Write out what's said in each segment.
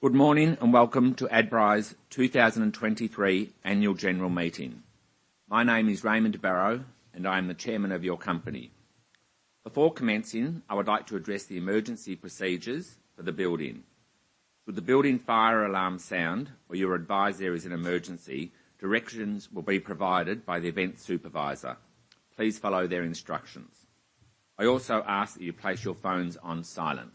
Good morning, and welcome to Adbri's 2023 Annual General Meeting. My name is Raymond Barro, and I am the Chairman of your company. Before commencing, I would like to address the emergency procedures for the building. Should the building fire alarm sound or you're advised there is an emergency, directions will be provided by the event supervisor. Please follow their instructions. I also ask that you place your phones on silent.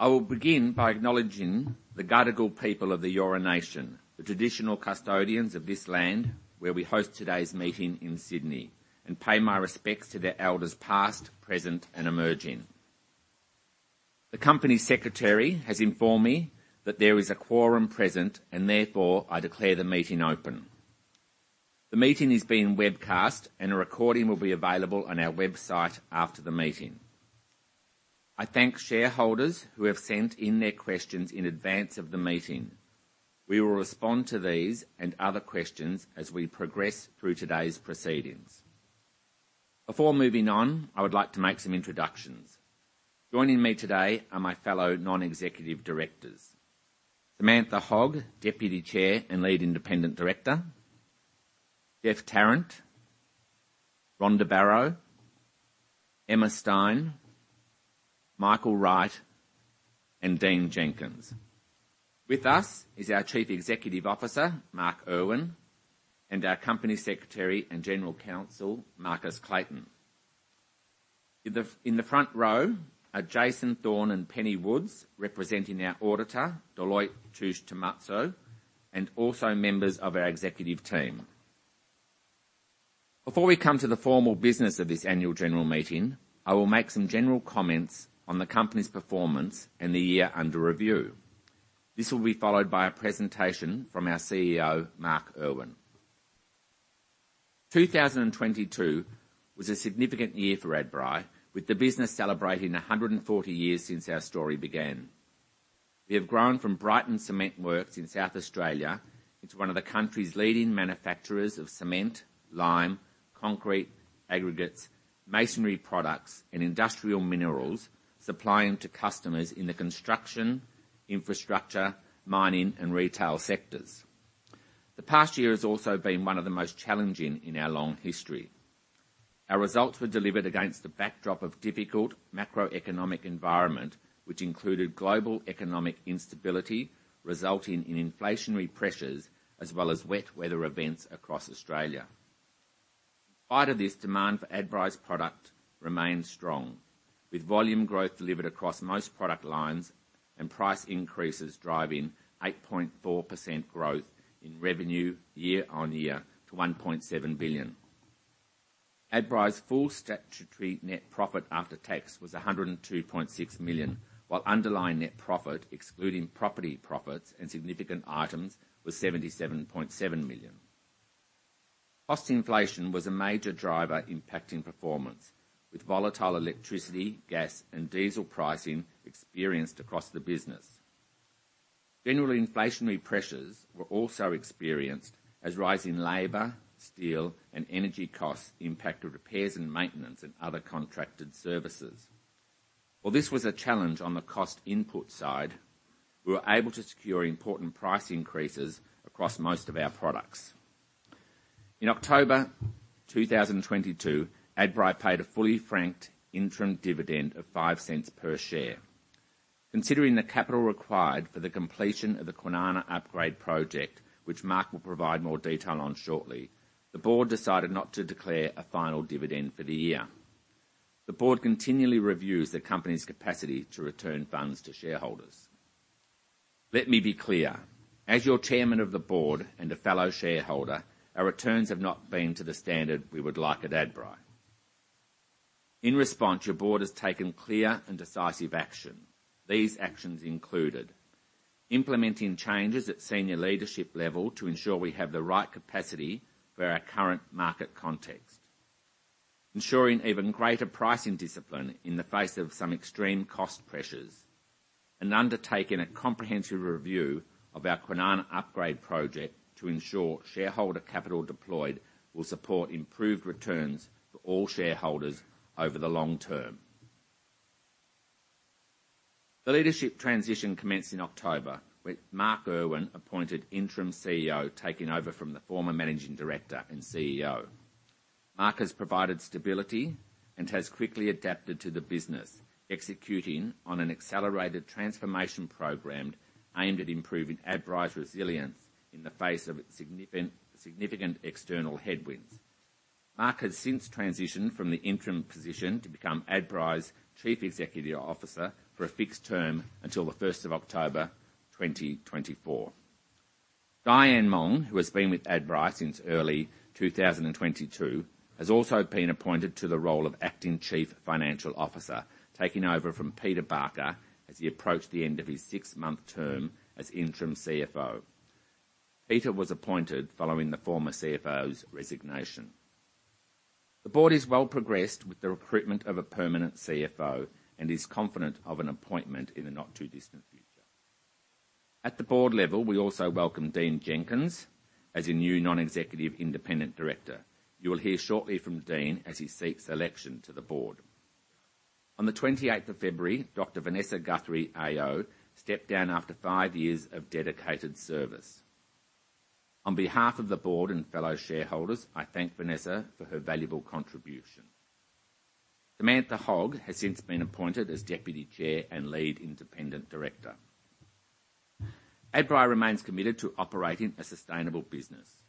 I will begin by acknowledging the Gadigal people of the Eora Nation, the traditional custodians of this land, where we host today's meeting in Sydney, and pay my respects to their elders past, present, and emerging. The company secretary has informed me that there is a quorum present, and therefore I declare the meeting open. The meeting is being webcast, and a recording will be available on our website after the meeting. I thank shareholders who have sent in their questions in advance of the meeting. We will respond to these and other questions as we progress through today's proceedings. Before moving on, I would like to make some introductions. Joining me today are my fellow non-executive directors, Samantha Hogg, Deputy Chair and Lead Independent Director, Geoff Tarrant, Rhonda Barro, Emma Stein, Michael Wright, and Dean Jenkins. With us is our Chief Executive Officer, Mark Irwin, and our Company Secretary and General Counsel, Marcus Clayton. In the front row are Jason Thorne and Penny Woods, representing our auditor, Deloitte Touche Tohmatsu, and also members of our executive team. Before we come to the formal business of this annual general meeting, I will make some general comments on the company's performance and the year under review. This will be followed by a presentation from our CEO, Mark Irwin. 2022 was a significant year for Adbri, with the business celebrating 140 years since our story began. We have grown from Brighton Cement Works in South Australia into one of the country's leading manufacturers of cement, lime, concrete, aggregates, masonry products, and industrial minerals, supplying to customers in the construction, infrastructure, mining, and retail sectors. The past year has also been one of the most challenging in our long history. Our results were delivered against a backdrop of difficult macroeconomic environment, which included global economic instability, resulting in inflationary pressures, as well as wet weather events across Australia. In spite of this, demand for Adbri's product remained strong, with volume growth delivered across most product lines and price increases driving 8.4% growth in revenue year-on-year to 1.7 billion. Adbri's full statutory net profit after tax was 102.6 million, while underlying net profit, excluding property profits and significant items, was 77.7 million. Cost inflation was a major driver impacting performance, with volatile electricity, gas, and diesel pricing experienced across the business. General inflationary pressures were also experienced as rising labor, steel, and energy costs impacted repairs and maintenance and other contracted services. This was a challenge on the cost input side, we were able to secure important price increases across most of our products. In October 2022, Adbri paid a fully franked interim dividend of 0.05 per share. Considering the capital required for the completion of the Kwinana Upgrade Project, which Mark will provide more detail on shortly, the board decided not to declare a final dividend for the year. The board continually reviews the company's capacity to return funds to shareholders. Let me be clear. As your chairman of the board and a fellow shareholder, our returns have not been to the standard we would like at Adbri. In response, your board has taken clear and decisive action. These actions included implementing changes at senior leadership level to ensure we have the right capacity for our current market context. Ensuring even greater pricing discipline in the face of some extreme cost pressures, and undertaking a comprehensive review of our Kwinana Upgrade Project to ensure shareholder capital deployed will support improved returns for all shareholders over the long term. The leadership transition commenced in October, with Mark Irwin appointed Interim CEO, taking over from the former Managing Director and CEO. Mark has provided stability and has quickly adapted to the business, executing on an accelerated transformation program aimed at improving Adbri's resilience in the face of significant external headwinds. Mark has since transitioned from the interim position to become Adbri's Chief Executive Officer for a fixed term until the 1st of October, 2024. Dianne Mong, who has been with Adbri since early 2022, has also been appointed to the role of Acting Chief Financial Officer, taking over from Peter Barker as he approached the end of his 6-month term as Interim CFO. Peter was appointed following the former CFO's resignation. The board is well progressed with the recruitment of a permanent CFO and is confident of an appointment in the not-too-distant future. At the board level, we also welcome Dean Jenkins as a new non-executive independent director. You will hear shortly from Dean as he seeks election to the board. On the 28th of February, Dr. Vanessa Guthrie AO stepped down after 5 years of dedicated service. On behalf of the board and fellow shareholders, I thank Vanessa for her valuable contribution. Samantha Hogg has since been appointed as Deputy Chair and Lead Independent Director. Adbri remains committed to operating a sustainable business.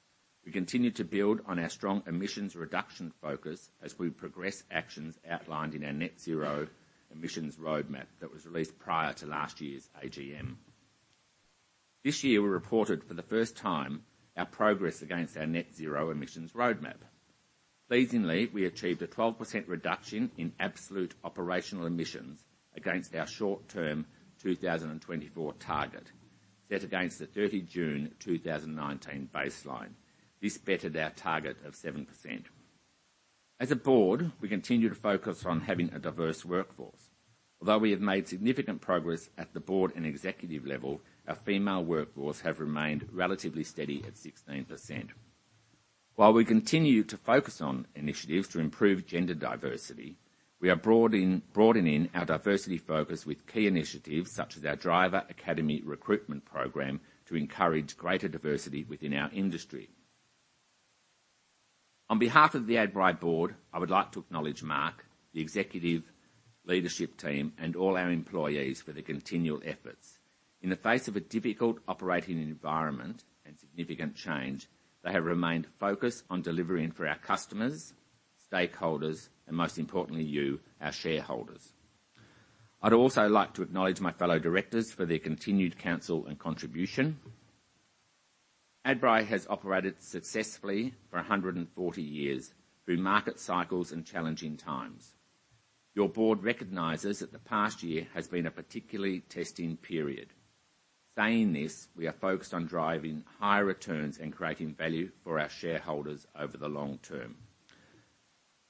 We continue to build on our strong emissions reduction focus as we progress actions outlined in our Net Zero Emissions Roadmap that was released prior to last year's AGM. This year, we reported for the first time our progress against our Net Zero Emissions Roadmap. Pleasingly, we achieved a 12% reduction in absolute operational emissions against our short-term 2024 target set against the 30 June 2019 baseline. This bettered our target of 7%. As a board, we continue to focus on having a diverse workforce. Although we have made significant progress at the board and executive level, our female workforce have remained relatively steady at 16%. While we continue to focus on initiatives to improve gender diversity, we are broadening our diversity focus with key initiatives such as our Driver Academy Recruitment Program to encourage greater diversity within our industry. On behalf of the Adbri board, I would like to acknowledge Mark, the executive leadership team, and all our employees for their continual efforts. In the face of a difficult operating environment and significant change, they have remained focused on delivering for our customers, stakeholders, and most importantly, you, our shareholders. I'd also like to acknowledge my fellow directors for their continued counsel and contribution. Adbri has operated successfully for 140 years through market cycles and challenging times. Your board recognizes that the past year has been a particularly testing period. Saying this, we are focused on driving higher returns and creating value for our shareholders over the long term.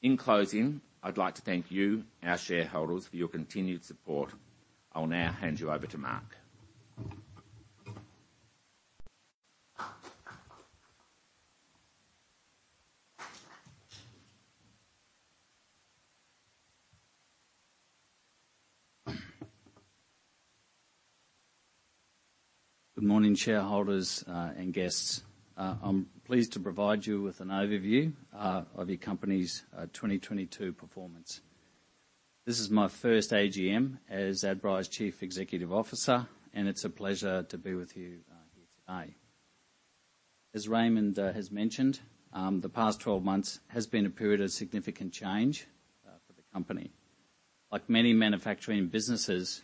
In closing, I'd like to thank you, our shareholders, for your continued support. I'll now hand you over to Mark. Good morning, shareholders, and guests. I'm pleased to provide you with an overview of your company's 2022 performance. This is my first AGM as Adbri's Chief Executive Officer, and it's a pleasure to be with you here today. As Raymond has mentioned, the past 12 months has been a period of significant change for the company. Like many manufacturing businesses,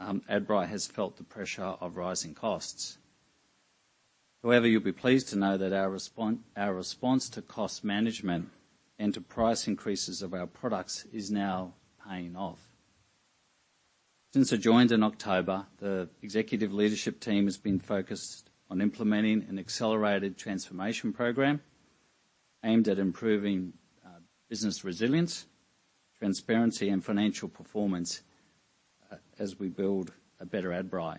Adbri has felt the pressure of rising costs. However, you'll be pleased to know that our response to cost management and to price increases of our products is now paying off. Since I joined in October, the executive leadership team has been focused on implementing an accelerated transformation program aimed at improving business resilience, transparency, and financial performance as we build a better Adbri.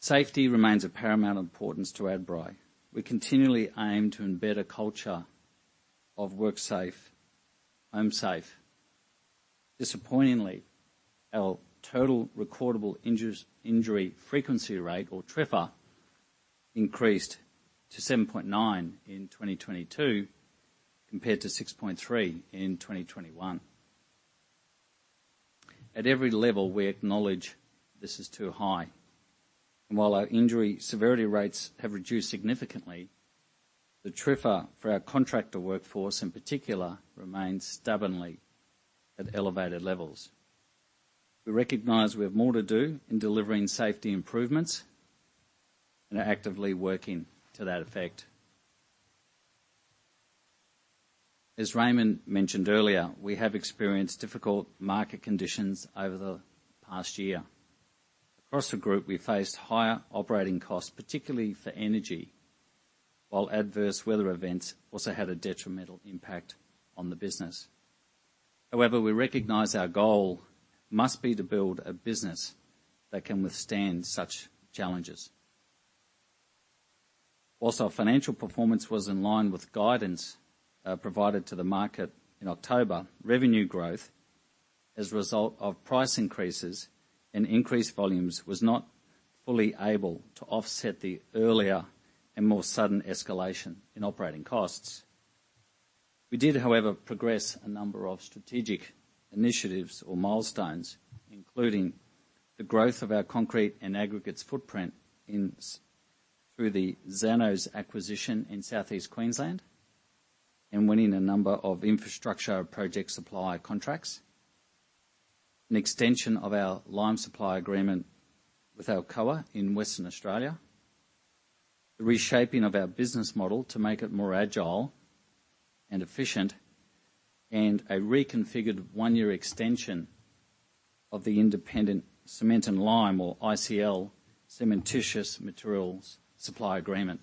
Safety remains of paramount importance to Adbri. We continually aim to embed a culture of work safe, home safe. Disappointingly, our total recordable injury frequency rate, or TRIFR, increased to 7.9 in 2022 compared to 6.3 in 2021. At every level, we acknowledge this is too high. While our injury severity rates have reduced significantly, the TRIFR for our contractor workforce in particular remains stubbornly at elevated levels. We recognize we have more to do in delivering safety improvements and are actively working to that effect. As Raymond mentioned earlier, we have experienced difficult market conditions over the past year. Across the group, we faced higher operating costs, particularly for energy, while adverse weather events also had a detrimental impact on the business. However, we recognize our goal must be to build a business that can withstand such challenges. Whilst our financial performance was in line with guidance, provided to the market in October, revenue growth as a result of price increases and increased volumes was not fully able to offset the earlier and more sudden escalation in operating costs. We did, however, progress a number of strategic initiatives or milestones, including the growth of our concrete and aggregates footprint through the Zanow's acquisition in Southeast Queensland and winning a number of infrastructure project supply contracts. An extension of our lime supply agreement with Alcoa in Western Australia. The reshaping of our business model to make it more agile and efficient. A reconfigured 1-year extension of the Independent Cement and Lime or ICL cementitious materials supply agreement.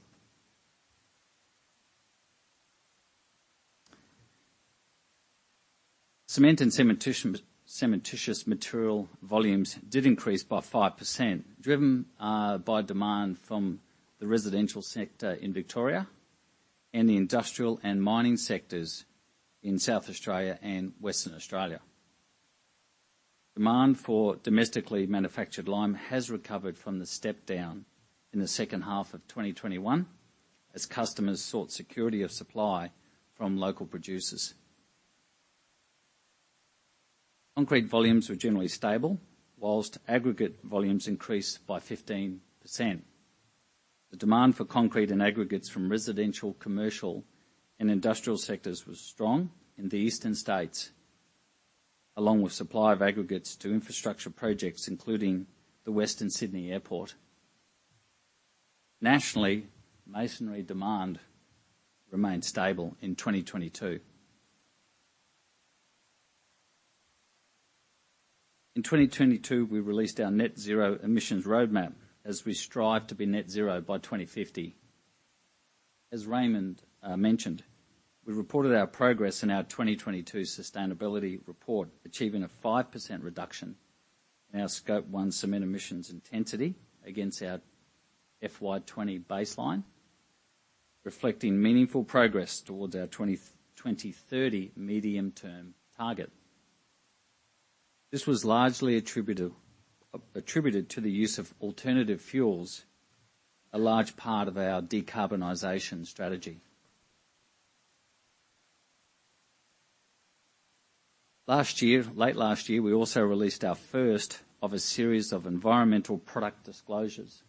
Cementitious material volumes did increase by 5%, driven by demand from the residential sector in Victoria and the industrial and mining sectors in South Australia and Western Australia. Demand for domestically manufactured lime has recovered from the step down in the second half of 2021 as customers sought security of supply from local producers. Concrete volumes were generally stable, whilst aggregate volumes increased by 15%. The demand for concrete and aggregates from residential, commercial, and industrial sectors was strong in the eastern states, along with supply of aggregates to infrastructure projects, including the Western Sydney Airport. Nationally, masonry demand remained stable in 2022. In 2022, we released our Net Zero Emissions Roadmap as we strive to be net zero by 2050. As Raymond mentioned, we reported our progress in our 2022 sustainability report, achieving a 5% reduction in our Scope 1 cement emissions intensity against our FY 20 baseline, reflecting meaningful progress towards our 2030 medium-term target. This was largely attributed to the use of alternative fuels, a large part of our decarbonization strategy. Late last year, we also released our first of a series of environmental product disclosures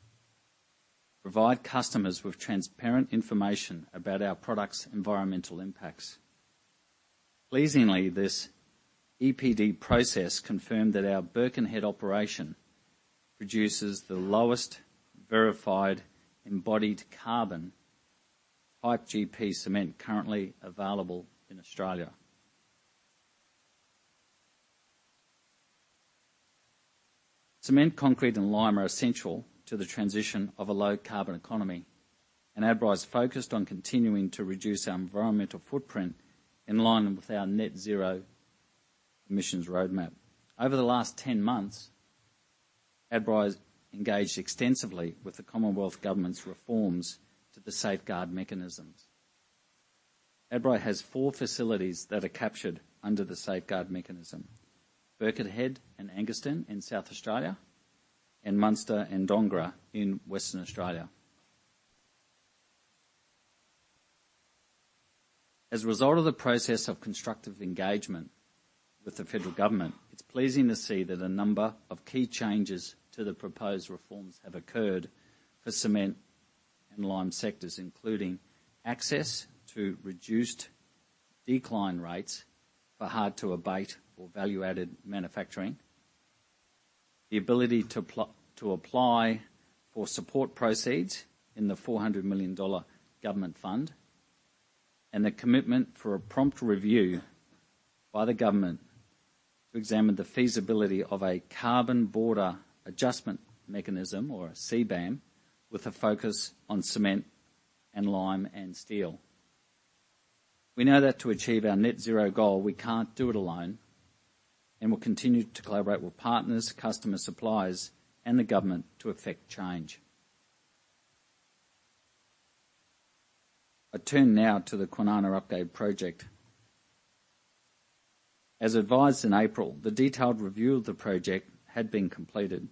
to provide customers with transparent information about our products' environmental impacts. Pleasingly, this EPD process confirmed that our Birkenhead operation produces the lowest verified embodied carbon type GP cement currently available in Australia. Cement, concrete, and lime are essential to the transition of a low carbon economy, and Adbri is focused on continuing to reduce our environmental footprint in line with our Net Zero Emissions Roadmap. Over the last 10 months, Adbri has engaged extensively with the Commonwealth Government's reforms to the Safeguard Mechanism. Adbri has 4 facilities that are captured under the Safeguard Mechanism. Birkenhead and Angaston in South Australia and Munster and Dongara in Western Australia. As a result of the process of constructive engagement with the federal government, it's pleasing to see that a number of key changes to the proposed reforms have occurred for cement and lime sectors, including access to reduced decline rates for hard-to-abate or value-added manufacturing, the ability to apply for support proceeds in the 400 million dollar government fund, and the commitment for a prompt review by the government to examine the feasibility of a Carbon Border Adjustment Mechanism or CBAM with a focus on cement and lime and steel. We know that to achieve our net zero goal, we can't do it alone and will continue to collaborate with partners, customer suppliers, and the government to affect change. I turn now to the Kwinana Upgrade Project. As advised in April, the detailed review of the Project had been completed,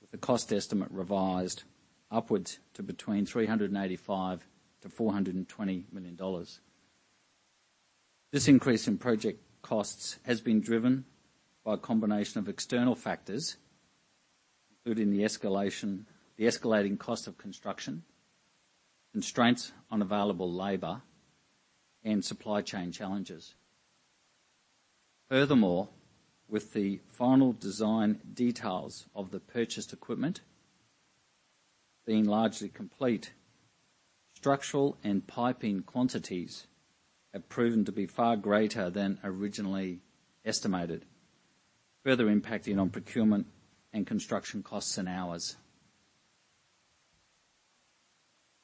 with the cost estimate revised upwards to between 385 million to 420 million dollars. This increase in project costs has been driven by a combination of external factors, including the escalating cost of construction, constraints on available labor, and supply chain challenges. Furthermore, with the final design details of the purchased equipment being largely complete, structural and piping quantities have proven to be far greater than originally estimated, further impacting on procurement and construction costs and hours.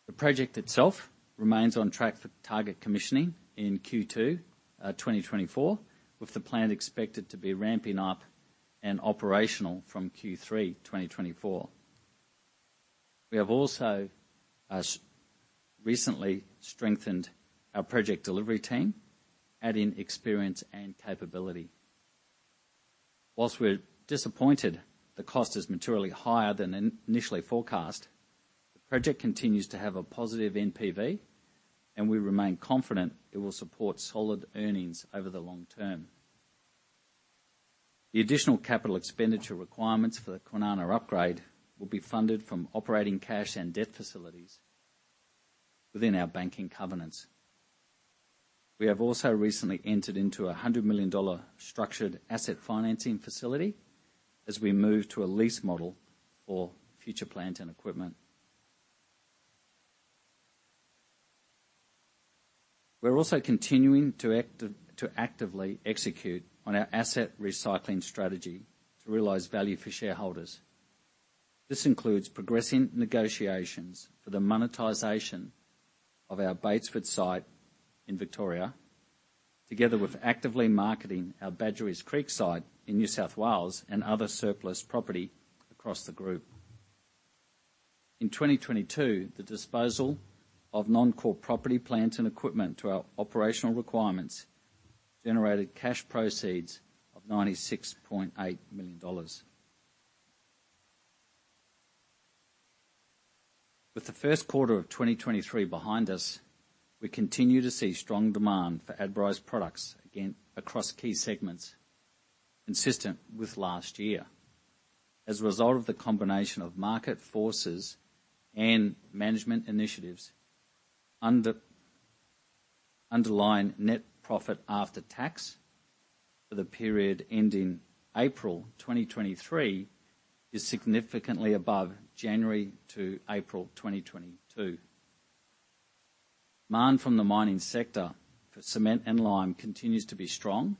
The project itself remains on track for target commissioning in Q2 2024, with the plant expected to be ramping up and operational from Q3 2024. We have also recently strengthened our project delivery team, adding experience and capability. Whilst we're disappointed the cost is materially higher than initially forecast, the project continues to have a positive NPV, and we remain confident it will support solid earnings over the long term. The additional capital expenditure requirements for the Kwinana Upgrade will be funded from operating cash and debt facilities within our banking covenants. We have also recently entered into a 100 million dollar structured asset financing facility as we move to a lease model for future plant and equipment. We're also continuing to actively execute on our asset recycling strategy to realize value for shareholders. This includes progressing negotiations for the monetization of our Batesford site in Victoria, together with actively marketing our Badgerys Creek site in New South Wales and other surplus property across the group. In 2022, the disposal of non-core property plants and equipment to our operational requirements generated cash proceeds of AUD 96.8 million. With the first quarter of 2023 behind us, we continue to see strong demand for Adbri's products again across key segments consistent with last year. As a result of the combination of market forces and management initiatives, underlying net profit after tax for the period ending April 2023 is significantly above January to April 2022. Demand from the mining sector for cement and lime continues to be strong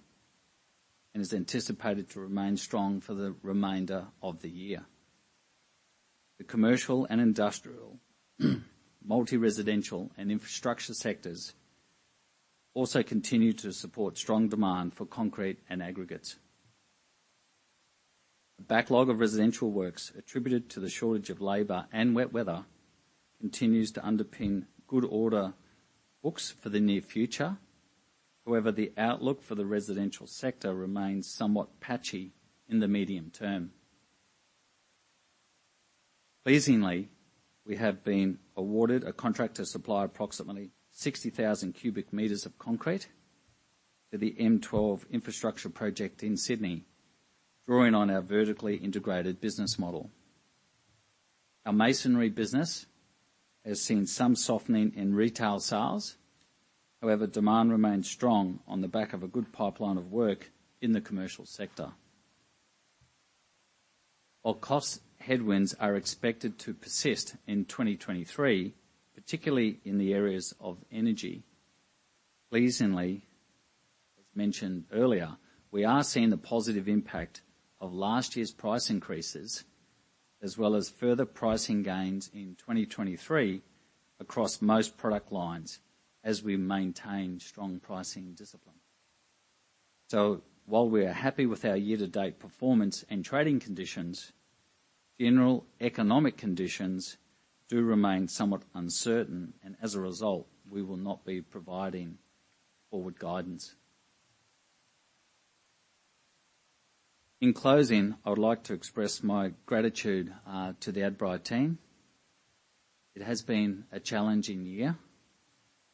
and is anticipated to remain strong for the remainder of the year. The commercial and industrial multi-residential and infrastructure sectors also continue to support strong demand for concrete and aggregates. The backlog of residential works attributed to the shortage of labor and wet weather continues to underpin good order books for the near future. The outlook for the residential sector remains somewhat patchy in the medium term. Pleasingly, we have been awarded a contract to supply approximately 60,000 cubic meters of concrete to the M12 infrastructure project in Sydney, drawing on our vertically integrated business model. Our masonry business has seen some softening in retail sales. Demand remains strong on the back of a good pipeline of work in the commercial sector. While cost headwinds are expected to persist in 2023, particularly in the areas of energy, pleasingly, as mentioned earlier, we are seeing the positive impact of last year price increases as well as further pricing gains in 2023 across most product lines as we maintain strong pricing discipline. While we are happy with our year-to-date performance and trading conditions, general economic conditions do remain somewhat uncertain, and as a result, we will not be providing forward guidance. In closing, I would like to express my gratitude to the Adbri team. It has been a challenging year,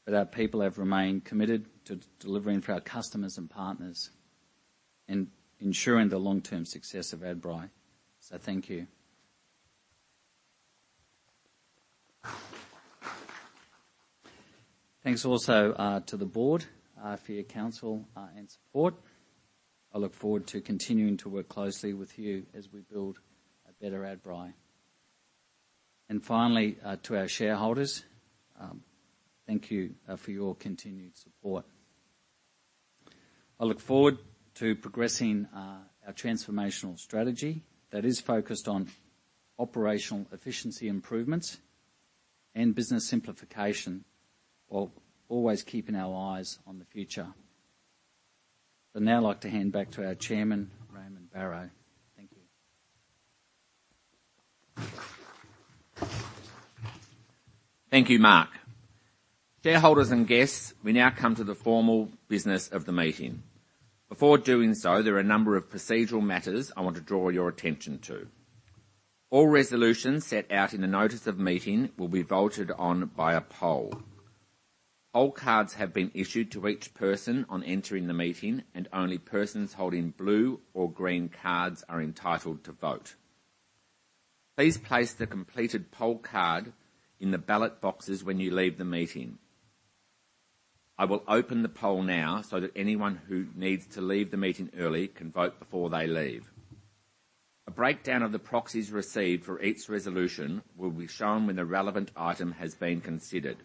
but our people have remained committed to delivering for our customers and partners and ensuring the long-term success of Adbri. Thank you. Thanks also to the board for your counsel and support. I look forward to continuing to work closely with you as we build a better Adbri. Finally, to our shareholders, thank you for your continued support. I look forward to progressing our transformational strategy that is focused on operational efficiency improvements and business simplification while always keeping our eyes on the future. I'd now like to hand back to our chairman, Raymond Barro. Thank you. Thank you, Mark. Shareholders and guests, we now come to the formal business of the meeting. Before doing so, there are a number of procedural matters I want to draw your attention to. All resolutions set out in the notice of meeting will be voted on by a poll. Poll cards have been issued to each person on entering the meeting, and only persons holding blue or green cards are entitled to vote. Please place the completed poll card in the ballot boxes when you leave the meeting. I will open the poll now so that anyone who needs to leave the meeting early can vote before they leave. A breakdown of the proxies received for each resolution will be shown when the relevant item has been considered.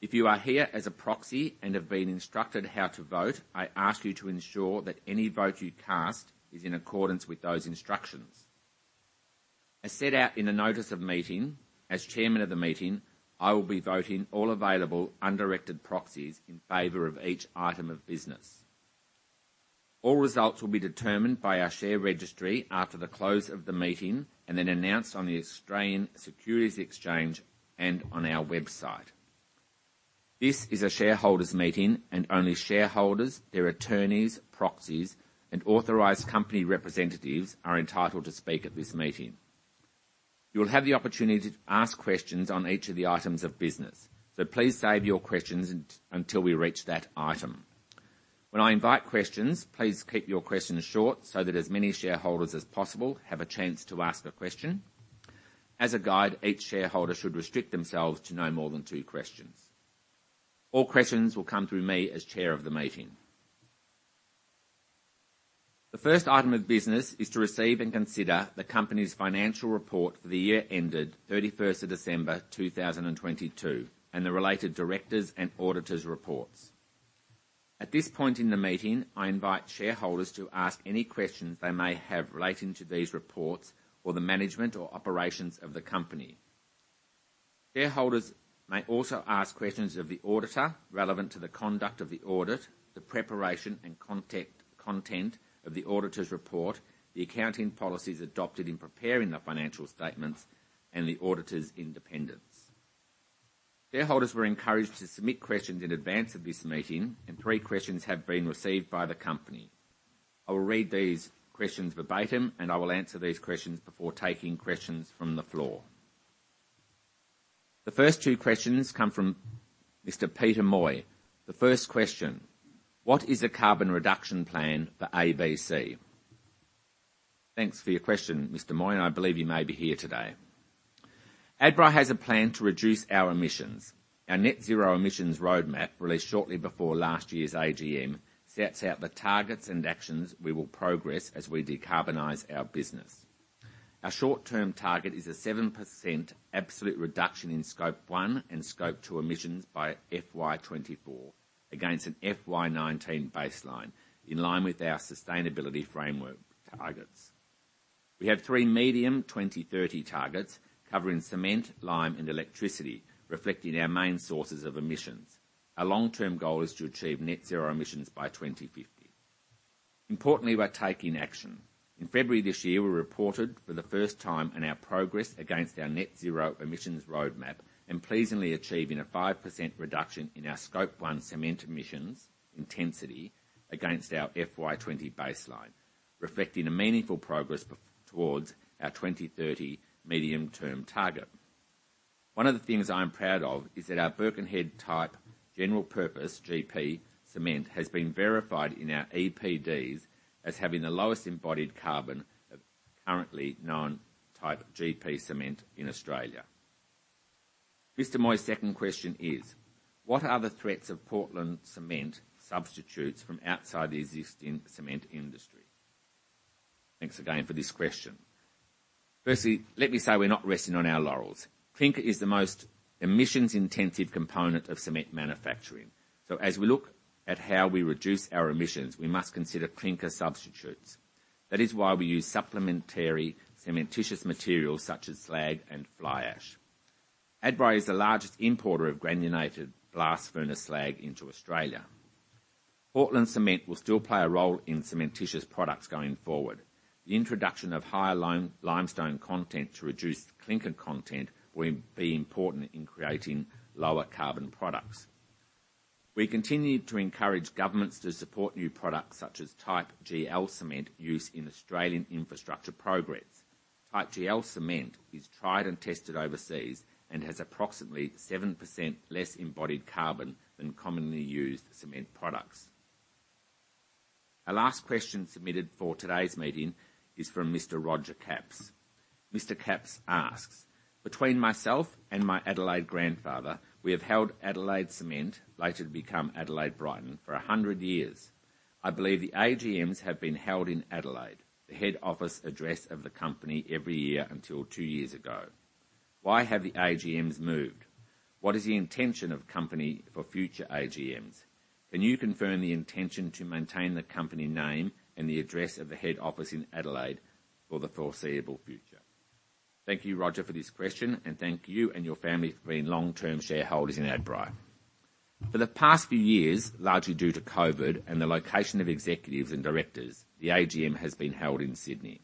If you are here as a proxy and have been instructed how to vote, I ask you to ensure that any vote you cast is in accordance with those instructions. As set out in the notice of meeting, as chairman of the meeting, I will be voting all available undirected proxies in favor of each item of business. All results will be determined by our share registry after the close of the meeting and then announced on the Australian Securities Exchange and on our website. This is a shareholders' meeting, only shareholders, their attorneys, proxies, and authorized company representatives are entitled to speak at this meeting. You'll have the opportunity to ask questions on each of the items of business. Please save your questions until we reach that item. When I invite questions, please keep your questions short so that as many shareholders as possible have a chance to ask a question. As a guide, each shareholder should restrict themselves to no more than two questions. All questions will come through me as chair of the meeting. The first item of business is to receive and consider the company's financial report for the year ended 31st of December 2022 and the related directors and auditors reports. At this point in the meeting, I invite shareholders to ask any questions they may have relating to these reports or the management or operations of the company. Shareholders may also ask questions of the auditor relevant to the conduct of the audit, the preparation and content of the auditor's report, the accounting policies adopted in preparing the financial statements and the auditor's independence. Shareholders were encouraged to submit questions in advance of this meeting. Three questions have been received by the company. I will read these questions verbatim. I will answer these questions before taking questions from the floor. The first two questions come from Mr. Peter Moy. The first question: What is a carbon reduction plan for ABC? Thanks for your question, Mr. Moy. I believe you may be here today. Adbri has a plan to reduce our emissions. Our Net Zero Emissions Roadmap, released shortly before last year's AGM, sets out the targets and actions we will progress as we decarbonize our business. Our short-term target is a 7% absolute reduction in Scope 1 and Scope 2 emissions by FY 2024 against an FY 2019 baseline in line with our sustainability framework targets. We have 3 medium 20/30 targets covering cement, lime and electricity, reflecting our main sources of emissions. Our long-term goal is to achieve Net Zero Emissions by 2050. Importantly, we're taking action. In February this year, we reported for the first time on our progress against our Net Zero Emissions Roadmap, and pleasingly achieving a 5% reduction in our Scope 1 cement emissions intensity against our FY20 baseline, reflecting a meaningful progress towards our 2030 medium-term target. One of the things I'm proud of is that our Birkenhead type General Purpose, GP, cement has been verified in our EPDs as having the lowest embodied carbon of currently known type GP cement in Australia. Mr. Moy's second question is: What are the threats of Portland cement substitutes from outside the existing cement industry? Thanks again for this question. Firstly, let me say we're not resting on our laurels. Clinker is the most emissions-intensive component of cement manufacturing. As we look at how we reduce our emissions, we must consider clinker substitutes. That is why we use supplementary cementitious materials such as slag and fly ash. Adbri is the largest importer of granulated blast furnace slag into Australia. Portland cement will still play a role in cementitious products going forward. The introduction of higher lime-limestone content to reduce clinker content will be important in creating lower carbon products. We continue to encourage governments to support new products such as Type GE cement use in Australian infrastructure progress. Type GE cement is tried and tested overseas and has approximately 7% less embodied carbon than commonly used cement products. Our last question submitted for today's meeting is from Mr Roger Capps. Between myself and my Adelaide grandfather, we have held Adelaide Cement, later to become Adelaide Brighton, for 100 years. I believe the AGMs have been held in Adelaide, the head office address of the company every year until 2 years ago. Why have the AGMs moved? What is the intention of company for future AGMs? Can you confirm the intention to maintain the company name and the address of the head office in Adelaide for the foreseeable future? Thank you, Roger, for this question, and thank you and your family for being long-term shareholders in Adbri. For the past few years, largely due to COVID and the location of executives and directors, the AGM has been held in Sydney.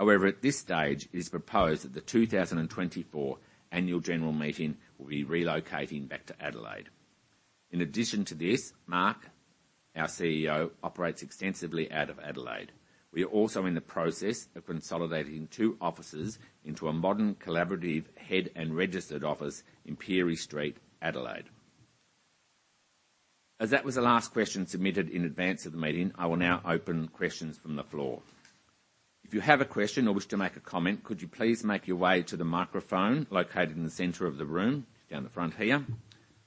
At this stage, it is proposed that the 2024 annual general meeting will be relocating back to Adelaide. In addition to this, Mark, our CEO, operates extensively out of Adelaide. We are also in the process of consolidating two offices into a modern collaborative head and registered office in Pirie Street, Adelaide. As that was the last question submitted in advance of the meeting, I will now open questions from the floor. If you have a question or wish to make a comment, could you please make your way to the microphone located in the center of the room down the front here.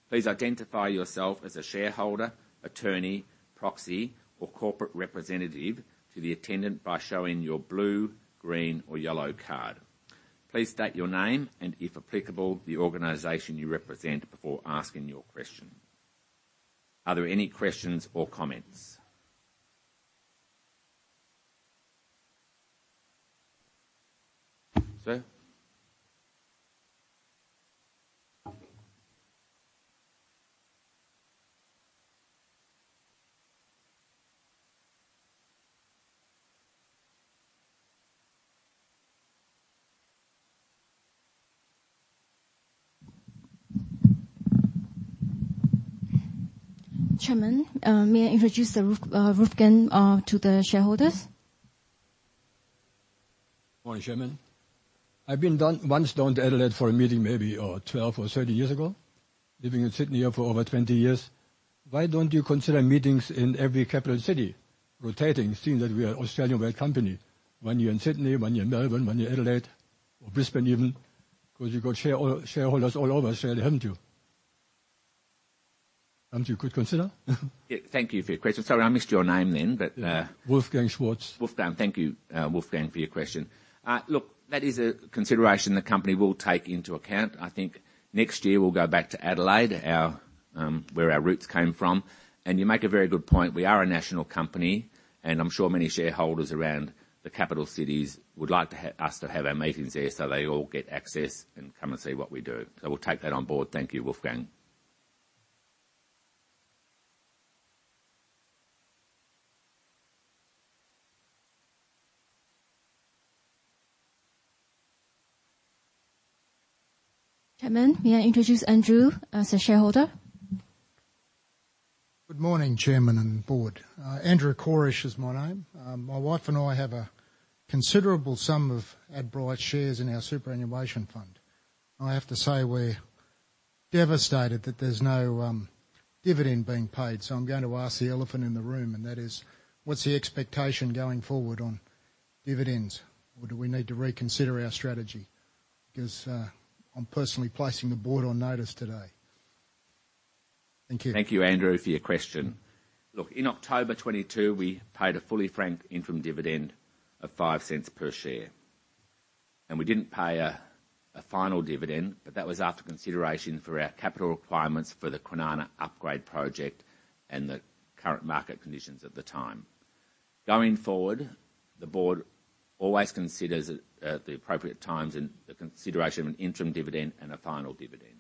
Please identify yourself as a shareholder, attorney, proxy or corporate representative to the attendant by showing your blue, green or yellow card. Please state your name and, if applicable, the organization you represent before asking your question. Are there any questions or comments? Sir. Chairman, may I introduce Wolfgang to the shareholders? Morning, Chairman. I've been once down to Adelaide for a meeting maybe, 12 or 13 years ago. Living in Sydney here for over 20 years. Why don't you consider meetings in every capital city rotating, seeing that we are Australian-wide company? One year in Sydney, one year in Melbourne, one year Adelaide or Brisbane even, because you got shareholders all over Australia, haven't you? Something you could consider. Yeah. Thank you for your question. Sorry, I missed your name then, but. Wolfgang Schwarz. Wolfgang. Thank you, Wolfgang, for your question. Look, that is a consideration the company will take into account. I think next year we'll go back to Adelaide, our where our roots came from. You make a very good point. We are a national company. I'm sure many shareholders around the capital cities would like us to have our meetings there, so they all get access and come and see what we do. We'll take that on board. Thank you, Wolfgang. Chairman, may I introduce Andrew as a shareholder? Good morning, Chairman and board. Andrew Corish is my name. My wife and I have a considerable sum of Adbri shares in our superannuation fund. I have to say we're devastated that there's no dividend being paid. I'm going to ask the elephant in the room, and that is, what's the expectation going forward on dividends? Do we need to reconsider our strategy? I'm personally placing the board on notice today. Thank you. Thank you, Andrew, for your question. Look, in October 2022, we paid a fully franked interim dividend of 0.05 per share. We didn't pay a final dividend, but that was after consideration for our capital requirements for the Kwinana Upgrade Project and the current market conditions at the time. Going forward, the board always considers at the appropriate times and the consideration of an interim dividend and a final dividend.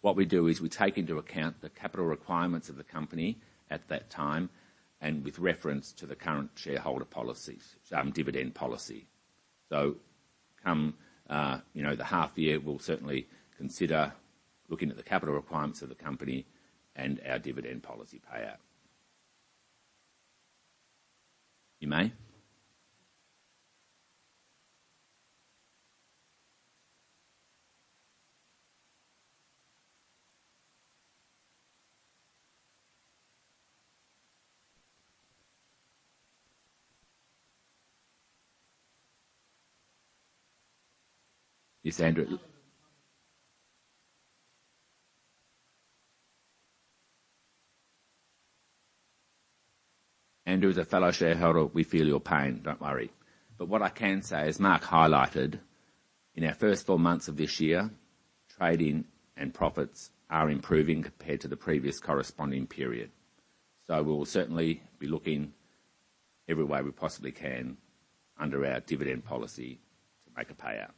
What we do is we take into account the capital requirements of the company at that time and with reference to the current shareholder policies, dividend policy. Come, you know, the half year, we'll certainly consider looking at the capital requirements of the company and our dividend policy payout. You may. Yes, Andrew. Andrew, as a fellow shareholder, we feel your pain, don't worry. What I can say, as Mark highlighted, in our first four months of this year, trading and profits are improving compared to the previous corresponding period. We'll certainly be looking every way we possibly can under our dividend policy to make a payout.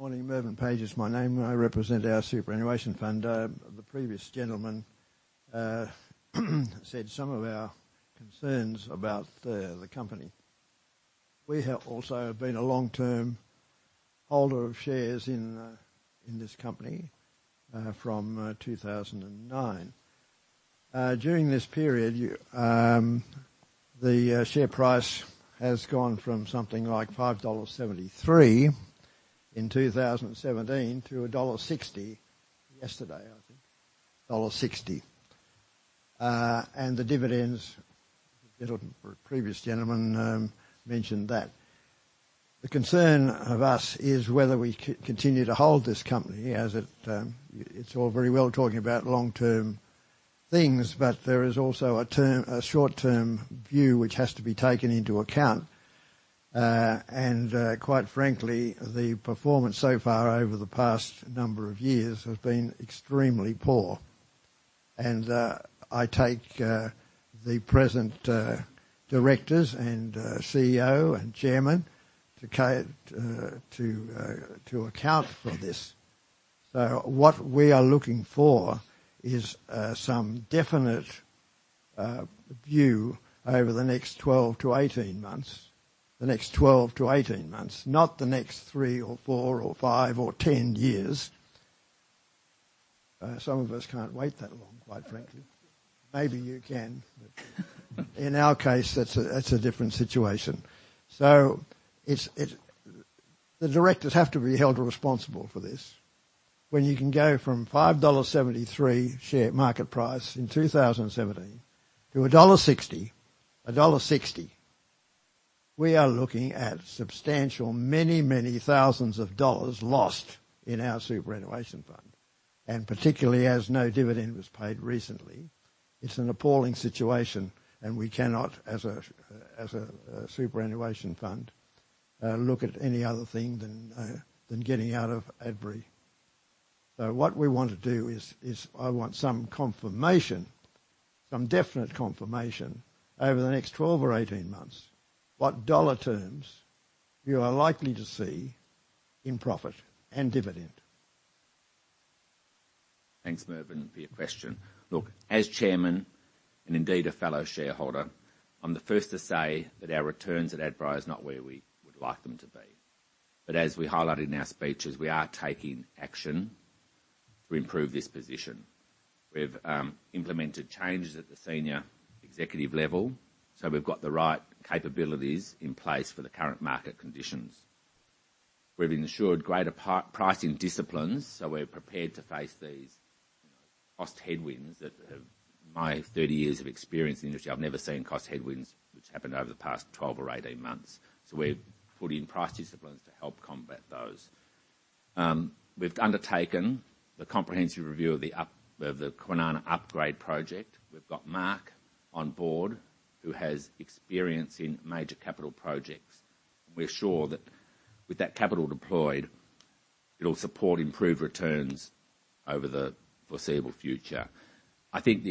Morning. Mervyn Vogt is my name, and I represent our superannuation fund. The previous gentleman said some of our concerns about the company. We have also been a long-term holder of shares in this company from 2009. During this period, the share price has gone from something like 5.73 dollars in 2017 to dollar 1.60 yesterday, I think. AUD 1.60. The dividends, Previous gentleman mentioned that. The concern of us is whether we continue to hold this company as it's all very well talking about long-term things, but there is also a term, a short-term view which has to be taken into account. Quite frankly, the performance so far over the past number of years has been extremely poor. I take the present directors and CEO and chairman to account for this. What we are looking for is some definite view over the next 12 to 18 months. The next 12 to 18 months, not the next three or four or five or 10 years. Some of us can't wait that long, quite frankly. Maybe you can. In our case, that's a different situation. The directors have to be held responsible for this. When you can go from 5.73 dollar share market price in 2017 to 1.60 dollar, we are looking at substantial many thousands of AUD lost in our superannuation fund. Particularly as no dividend was paid recently, it's an appalling situation, and we cannot, as a superannuation fund, look at any other thing than getting out of Adbri. What we want to do is, I want some confirmation, some definite confirmation over the next 12 or 18 months, what dollar terms you are likely to see in profit and dividend. Thanks, Mervyn, for your question. Look, as chairman, and indeed a fellow shareholder, I'm the first to say that our returns at Adbri is not where we would like them to be. As we highlighted in our speeches, we are taking action to improve this position. We've implemented changes at the senior executive level, so we've got the right capabilities in place for the current market conditions. We've ensured greater pricing disciplines, so we're prepared to face these cost headwinds that have. In my 30 years of experience in the industry, I've never seen cost headwinds which happened over the past 12 or 18 months. We've put in price disciplines to help combat those. We've undertaken the comprehensive review of the Kwinana Upgrade Project. We've got Mark on board, who has experience in major capital projects. We're sure that with that capital deployed, it'll support improved returns over the foreseeable future. I think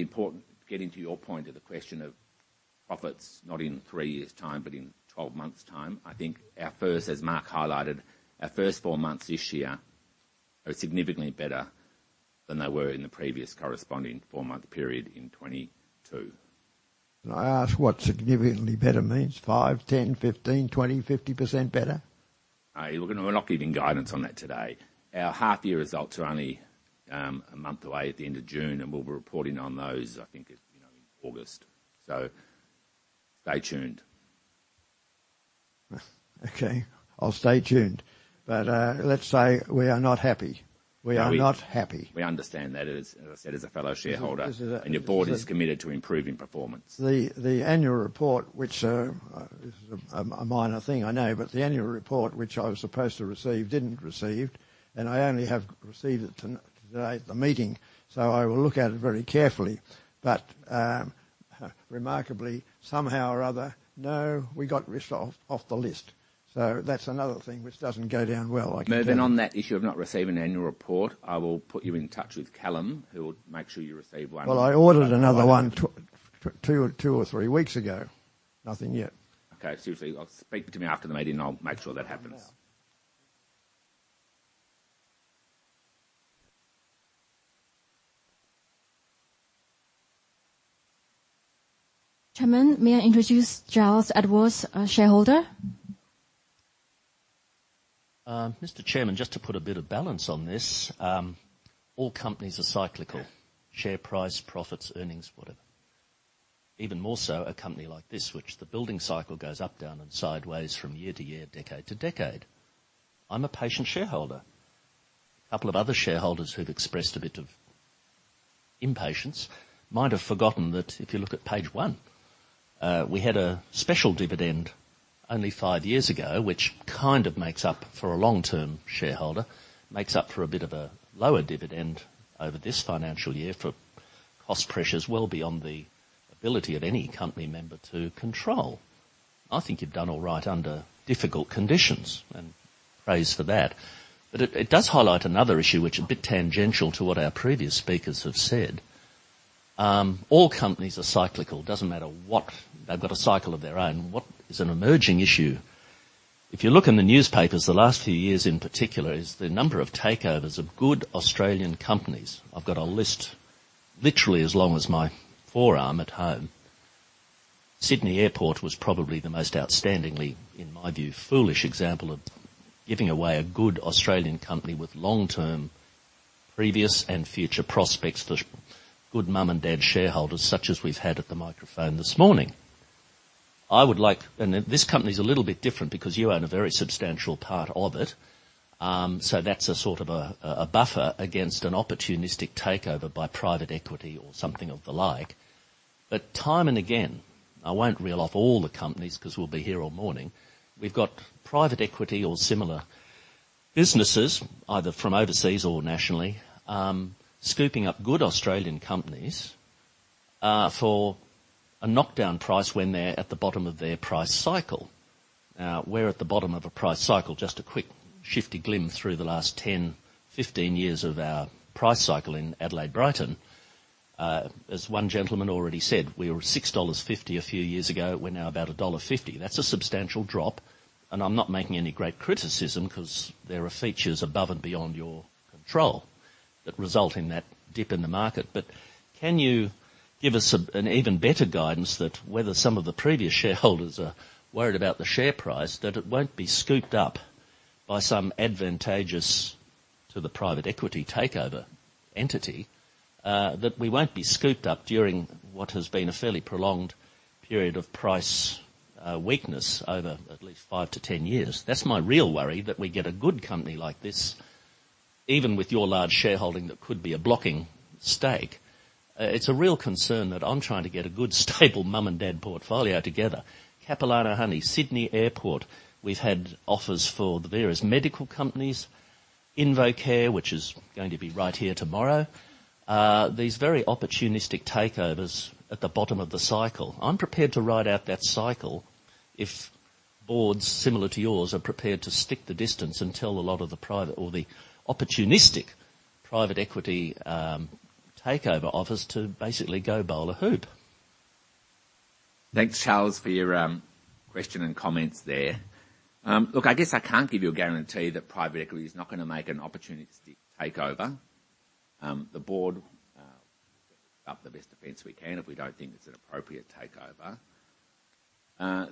getting to your point of the question of profits, not in three years' time, but in 12 months' time, I think our first, as Mark highlighted, our first four months this year are significantly better than they were in the previous corresponding four-month period in 2022. Can I ask what significantly better means? Five, 10, 15, 20, 50% better? Look, we're not giving guidance on that today. Our half year results are only a month away at the end of June. We'll be reporting on those, I think, you know, in August. Stay tuned. Okay, I'll stay tuned. Let's say we are not happy. We are not happy. We understand that. As I said, as a fellow shareholder your board is committed to improving performance. The annual report, which this is a minor thing, I know, the annual report which I was supposed to receive, didn't receive, and I only have received it today at the meeting, so I will look at it very carefully. Remarkably, somehow or other, no, we got risked off the list. That's another thing which doesn't go down well, I can tell you. Mervyn, on that issue of not receiving annual report, I will put you in touch with Callum, who will make sure you receive one. Well, I ordered another one two or three weeks ago. Nothing yet. Okay. Seriously, speak to me after the meeting, and I'll make sure that happens. Not now. Chairman, may I introduce Charles Edwards, a shareholder? Mr. Chairman, just to put a bit of balance on this, all companies are cyclical: share price, profits, earnings, whatever. Even more so a company like this, which the building cycle goes up, down, and sideways from year to year, decade to decade. I'm a patient shareholder. A couple of other shareholders who've expressed a bit of impatience might have forgotten that if you look at page one, we had a special dividend only five years ago, which kind of makes up for a long-term shareholder, makes up for a bit of a lower dividend over this financial year for cost pressures well beyond the ability of any company member to control. I think you've done all right under difficult conditions, and praise for that. It does highlight another issue which is a bit tangential to what our previous speakers have said. All companies are cyclical. Doesn't matter what. They've got a cycle of their own. What is an emerging issue, if you look in the newspapers the last few years in particular, is the number of takeovers of good Australian companies. I've got a list literally as long as my forearm at home. Sydney Airport was probably the most outstandingly, in my view, foolish example of giving away a good Australian company with long-term previous and future prospects for good mum and dad shareholders such as we've had at the microphone this morning. I would like... This company's a little bit different because you own a very substantial part of it. That's a sort of a buffer against an opportunistic takeover by private equity or something of the like. Time and again, I won't reel off all the companies 'cause we'll be here all morning. We've got private equity or similar businesses, either from overseas or nationally, scooping up good Australian companies for a knockdown price when they're at the bottom of their price cycle. Now, we're at the bottom of a price cycle. Just a quick shifty glimpse through the last 10, 15 years of our price cycle in Adelaide Brighton. As one gentleman already said, we were 6.50 dollars a few years ago. We're now about dollar 1.50. That's a substantial drop, and I'm not making any great criticism 'cause there are features above and beyond your control that result in that dip in the market. Can you give us an even better guidance that whether some of the previous shareholders are worried about the share price, that it won't be scooped up by some advantageous to the private equity takeover entity, that we won't be scooped up during what has been a fairly prolonged period of price weakness over at least 5 to 10 years? That's my real worry, that we get a good company like this, even with your large shareholding that could be a blocking stake. It's a real concern that I'm trying to get a good stable mum-and-dad portfolio together. Capilano Honey, Sydney Airport. We've had offers for the various medical companies, InvoCare, which is going to be right here tomorrow. These very opportunistic takeovers at the bottom of the cycle. I'm prepared to ride out that cycle if boards similar to yours are prepared to stick the distance and tell a lot of the private or the opportunistic private equity takeover offers to basically go bowl a hoop. Thanks, Charles, for your question and comments there. Look, I guess I can't give you a guarantee that private equity is not gonna make an opportunistic takeover. The board put up the best defense we can if we don't think it's an appropriate takeover.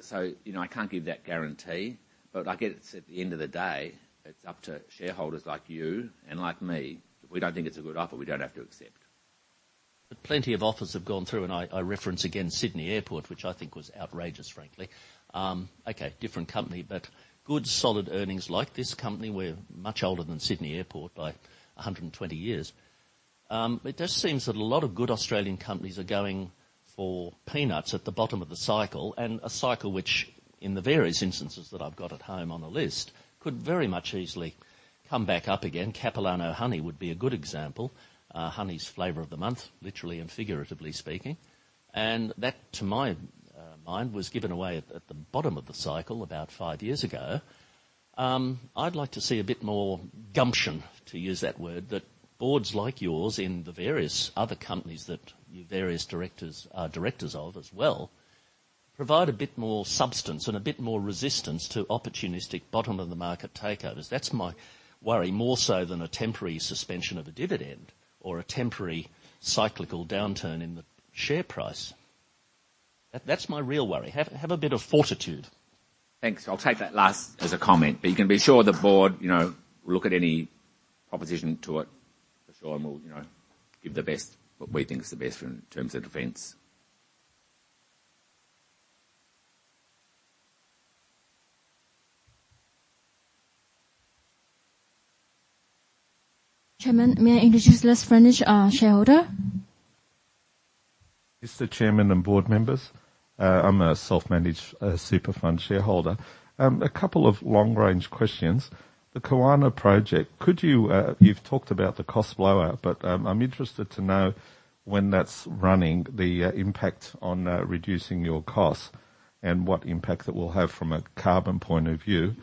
So, you know, I can't give that guarantee. I guess at the end of the day, it's up to shareholders like you and like me. If we don't think it's a good offer, we don't have to accept. Plenty of offers have gone through, and I reference again Sydney Airport, which I think was outrageous, frankly. Okay, different company, but good solid earnings like this company. We're much older than Sydney Airport by 120 years. It just seems that a lot of good Australian companies are going for peanuts at the bottom of the cycle, and a cycle which, in the various instances that I've got at home on the list, could very much easily come back up again. Capilano Honey would be a good example. Honey is flavor of the month, literally and figuratively speaking. That, to my mind, was given away at the bottom of the cycle about 5 years ago. I'd like to see a bit more gumption, to use that word, that boards like yours in the various other companies that you various directors are directors of as well, provide a bit more substance and a bit more resistance to opportunistic bottom of the market takeovers. That's my worry, more so than a temporary suspension of a dividend or a temporary cyclical downturn in the share price. That, that's my real worry. Have a bit of fortitude. Thanks. I'll take that last as a comment, but you can be sure the board, you know, will look at any opposition to it for sure, and we'll, you know, give the best, what we think is the best in terms of defense. Chairman, may I introduce Les Fourniss, our shareholder. Mr. Chairman and board members, I'm a self-managed super fund shareholder. A couple of long-range questions. The Kwinana project, could you... You've talked about the cost blowout, but I'm interested to know when that's running, the impact on reducing your costs and what impact that will have from a carbon point of view.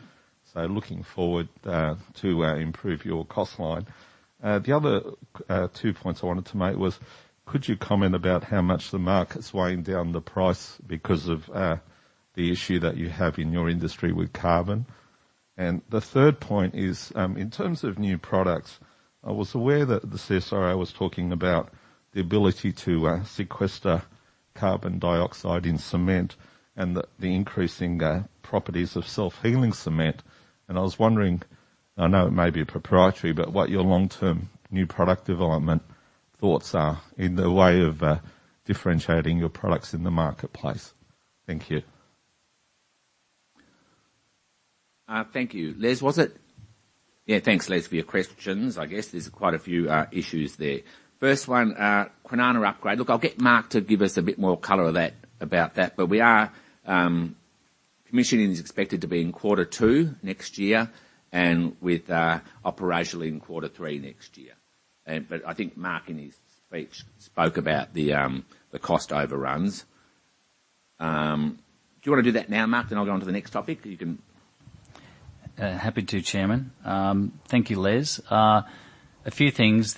Looking forward to improve your cost line. The other two points I wanted to make was, could you comment about how much the market's weighing down the price because of the issue that you have in your industry with carbon? The third point is, in terms of new products, I was aware that the CSIRO was talking about the ability to sequester carbon dioxide in cement and the increasing properties of self-healing cement. I was wondering, I know it may be proprietary, but what your long-term new product development thoughts are in the way of differentiating your products in the marketplace. Thank you. Thank you. Les, was it? Yeah, thanks, Les, for your questions. I guess there's quite a few issues there. First one, Kwinana Upgrade. Look, I'll get Mark to give us a bit more color of that, about that. We are, commissioning is expected to be in quarter 2 next year and with operational in quarter 3 next year. I think Mark, in his speech, spoke about the cost overruns. Do you wanna do that now, Mark? Then I'll go onto the next topic. You can- Happy to, Chairman. Thank you, Les. A few things.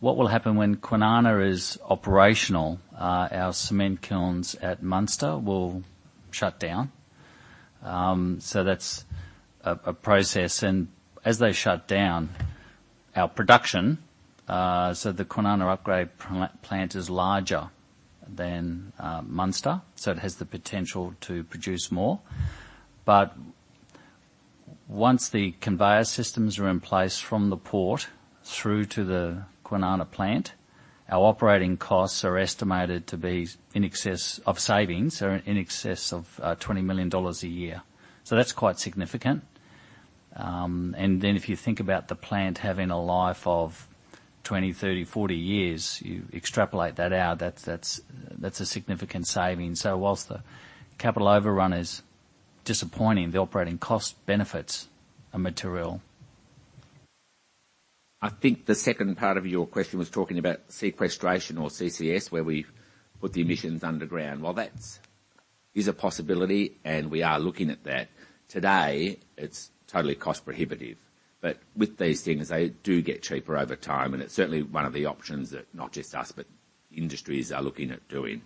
What will happen when Kwinana is operational, our cement kilns at Munster will shut down. That's a process and as they shut down our production, the Kwinana upgrade plant is larger than Munster, so it has the potential to produce more. Once the conveyor systems are in place from the port through to the Kwinana plant, our operating costs are estimated to be in excess of savings or in excess of 20 million dollars a year. That's quite significant. If you think about the plant having a life of 20, 30, 40 years, you extrapolate that out, that's a significant saving. Whilst the capital overrun is disappointing, the operating cost benefits are material. I think the second part of your question was talking about sequestration or CCS, where we put the emissions underground. That is a possibility and we are looking at that. Today, it's totally cost prohibitive. With these things, they do get cheaper over time, and it's certainly one of the options that not just us, but industries are looking at doing.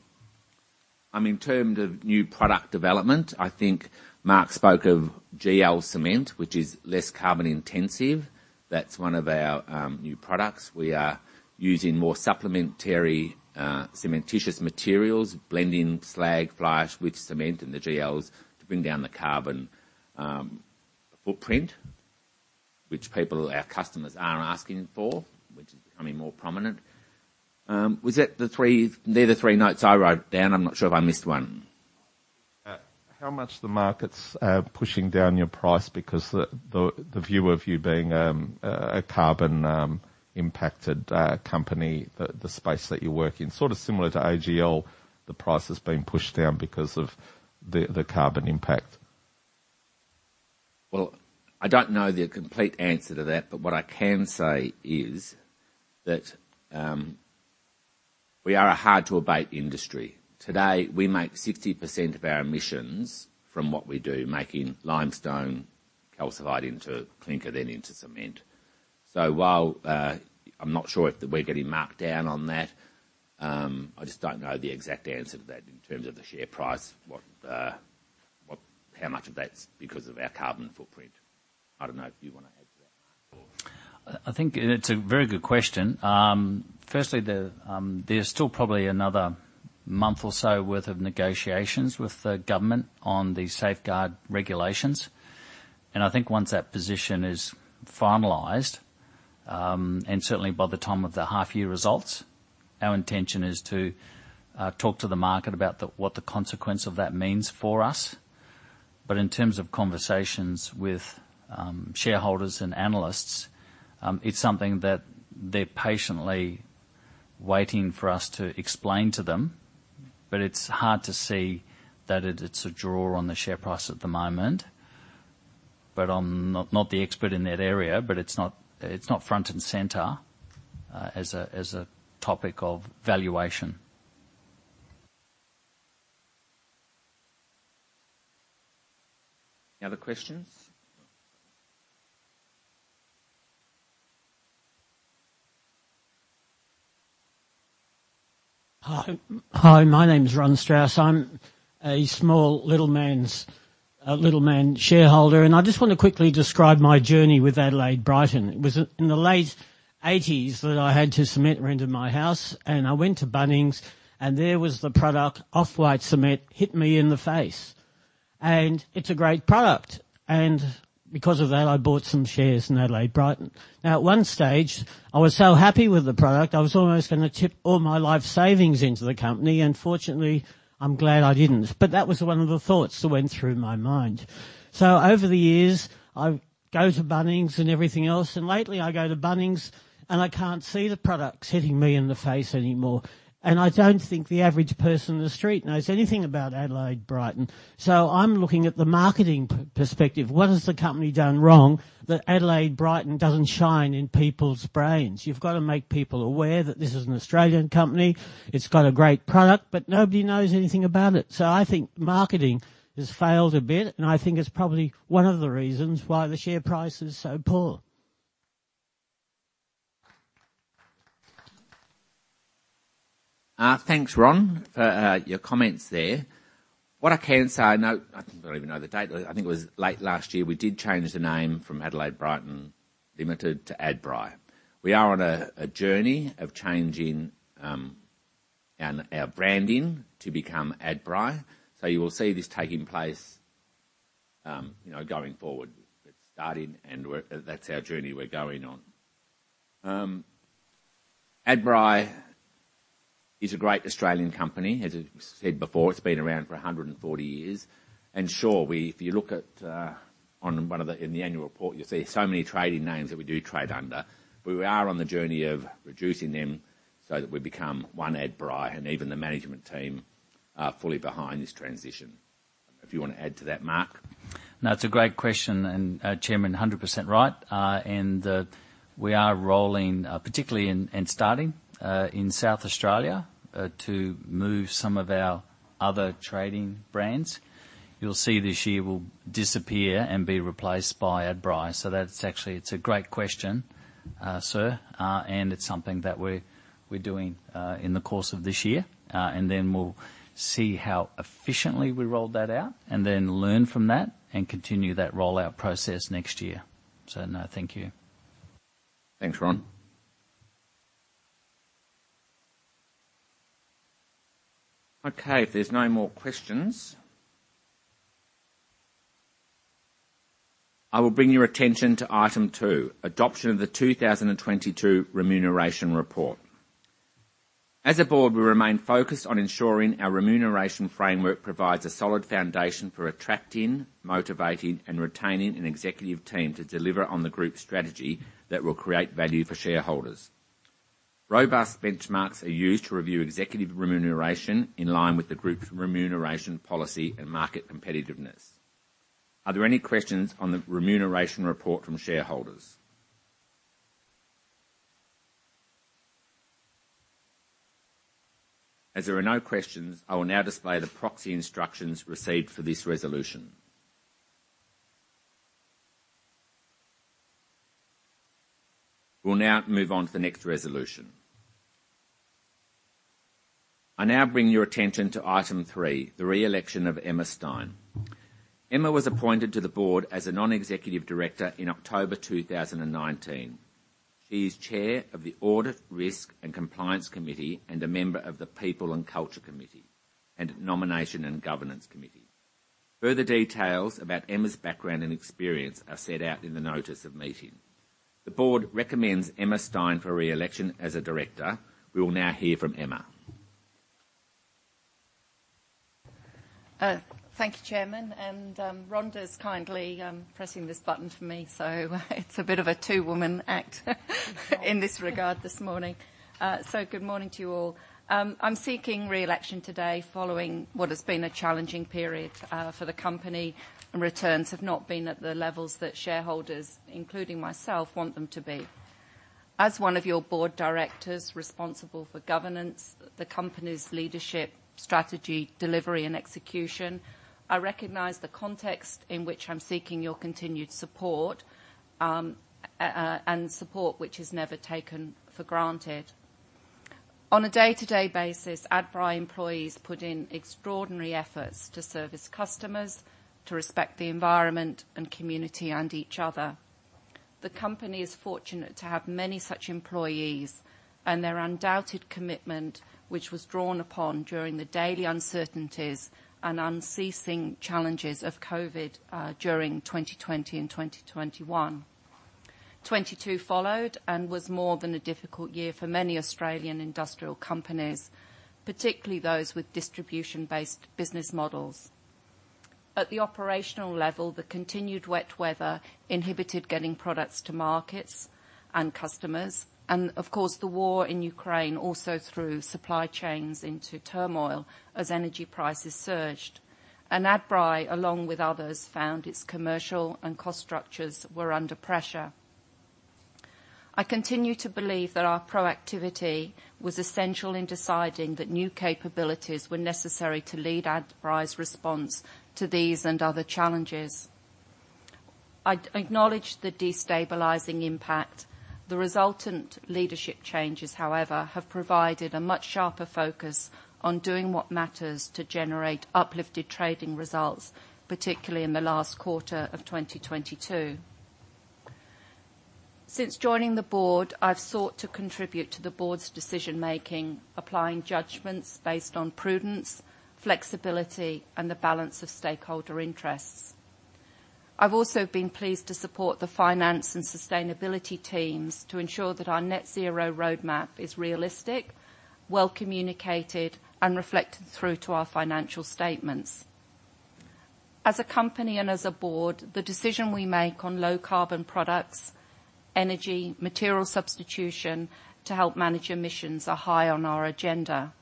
In terms of new product development, I think Mark spoke of GP cement, which is less carbon intensive. That's one of our new products. We are using more supplementary cementitious materials, blending slag, fly ash with cement and the GPs to bring down the carbon footprint, which people, our customers are asking for, which is becoming more prominent. Was that the three? They're the three notes I wrote down. I'm not sure if I missed one. How much the market's pushing down your price because the view of you being a carbon impacted company, the space that you work in, sort of similar to AGL, the price has been pushed down because of the carbon impact. I don't know the complete answer to that, but what I can say is that we are a hard-to-abate industry. Today, we make 60% of our emissions from what we do, making limestone calcified into clinker, then into cement. While I'm not sure if we're getting marked down on that, I just don't know the exact answer to that in terms of the share price, what how much of that's because of our carbon footprint. I don't know if you wanna add to that. I think it's a very good question. Firstly, there's still probably another month or so worth of negotiations with the government on the Safeguard regulations. I think once that position is finalized, and certainly by the time of the half year results, our intention is to talk to the market about what the consequence of that means for us. In terms of conversations with shareholders and analysts, it's something that they're patiently waiting for us to explain to them, but it's hard to see that it's a draw on the share price at the moment. I'm not the expert in that area, but it's not front and center as a topic of valuation. Any other questions? Hi. Hi, my name is Ron Strautins. I'm a small little man shareholder, and I just wanna quickly describe my journey with Adbri. It was in the late 1980s that I had to cement render my house and I went to Bunnings, and there was the product Off White Cement hit me in the face. It's a great product. Because of that, I bought some shares in Adbri. At one stage, I was so happy with the product, I was almost gonna tip all my life savings into the company. Fortunately, I'm glad I didn't. That was one of the thoughts that went through my mind. Over the years, I go to Bunnings and everything else, and lately I go to Bunnings and I can't see the products hitting me in the face anymore. I don't think the average person in the street knows anything about Adelaide Brighton. I'm looking at the marketing perspective. What has the company done wrong that Adelaide Brighton doesn't shine in people's brains? You've got to make people aware that this is an Australian company. It's got a great product, but nobody knows anything about it. I think marketing has failed a bit, and I think it's probably one of the reasons why the share price is so poor. Thanks, Ron, for your comments there. What I can say, I don't even know the date. I think it was late last year. We did change the name from Adelaide Brighton Limited to Adbri. We are on a journey of changing our branding to become Adbri. You will see this taking place, you know, going forward. It's starting and that's our journey we're going on. Adbri is a great Australian company. As I said before, it's been around for 140 years. Sure, if you look at on one of the in the annual report, you'll see so many trading names that we do trade under. We are on the journey of reducing them so that we become one Adbri, and even the management team are fully behind this transition. If you wanna add to that, Mark. No, it's a great question, Chairman, 100% right. We are rolling, particularly and starting in South Australia, to move some of our other trading brands. You'll see this year will disappear and be replaced by Adbri. It's a great question, sir. It's something that we're doing in the course of this year. Then we'll see how efficiently we roll that out and then learn from that and continue that rollout process next year. No, thank you. Thanks, Ron. Okay, if there's no more questions, I will bring your attention to item 2, Adoption of the 2022 Remuneration Report. As a board, we remain focused on ensuring our remuneration framework provides a solid foundation for attracting, motivating, and retaining an executive team to deliver on the group's strategy that will create value for shareholders. Robust benchmarks are used to review executive remuneration in line with the group's remuneration policy and market competitiveness. Are there any questions on the remuneration report from shareholders? As there are no questions, I will now display the proxy instructions received for this resolution. We'll now move on to the next resolution. I now bring your attention to item 3, the re-election of Emma Stein. Emma was appointed to the board as a non-executive director in October 2019. She is Chair of the Audit, Risk and Compliance Committee and a member of the People and Culture Committee and Nomination and Governance Committee. Further details about Emma's background and experience are set out in the notice of meeting. The board recommends Emma Stein for re-election as a director. We will now hear from Emma. Thank you, Chairman. Rhonda is kindly pressing this button for me. It's a bit of a two-woman act in this regard this morning. Good morning to you all. I'm seeking re-election today following what has been a challenging period for the company, and returns have not been at the levels that shareholders, including myself, want them to be. As one of your board directors responsible for governance, the company's leadership, strategy, delivery and execution, I recognize the context in which I'm seeking your continued support, and support which is never taken for granted. On a day-to-day basis, Adbri employees put in extraordinary efforts to service customers, to respect the environment and community and each other. The company is fortunate to have many such employees and their undoubted commitment, which was drawn upon during the daily uncertainties and unceasing challenges of COVID, during 2020 and 2021. 2022 followed and was more than a difficult year for many Australian industrial companies, particularly those with distribution-based business models. At the operational level, the continued wet weather inhibited getting products to markets and customers. Of course, the war in Ukraine also threw supply chains into turmoil as energy prices surged. Adbri, along with others, found its commercial and cost structures were under pressure. I continue to believe that our proactivity was essential in deciding that new capabilities were necessary to lead Adbri's response to these and other challenges. I acknowledge the destabilizing impact. The resultant leadership changes, however, have provided a much sharper focus on doing what matters to generate uplifted trading results, particularly in the last quarter of 2022. Since joining the board, I've sought to contribute to the board's decision-making, applying judgments based on prudence, flexibility, and the balance of stakeholder interests. I've also been pleased to support the finance and sustainability teams to ensure that our Net Zero Roadmap is realistic, well-communicated, and reflected through to our financial statements. As a company and as a board, the decision we make on low carbon products, energy, material substitution to help manage emissions are high on our agenda.